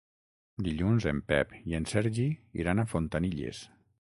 Dilluns en Pep i en Sergi iran a Fontanilles.